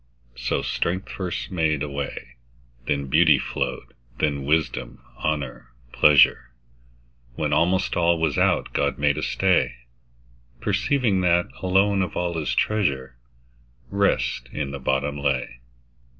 So strength first made a way, Then beauty flow'd, then wisdom, honour, pleasure; When almost all was out, God made a stay, Perceiving that, alone of all His treasure, Rest in the bottom lay.